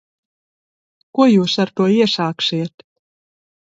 Ko jūs ar to iesāksiet?